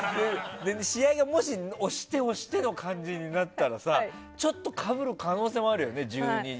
試合がもし押して押しての感じになったらさちょっとかぶる可能性もあるよね。